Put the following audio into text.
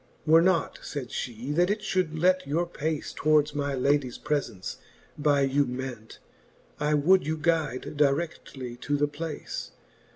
Were not, fayd flie, that it fliould let your pace Towards my ladies prefence by you ment, I would you guyde dire6i:ly to the place.